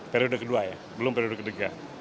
periode kedua ya belum periode kedua